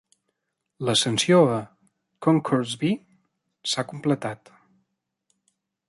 L'ascensió a "Concourse B" s'ha completat.